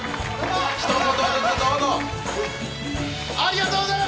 ひと言ずつどうぞ。